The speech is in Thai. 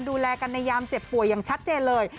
ดูแลกันในยามเจ็บป่วยอย่างชัดเจนเลย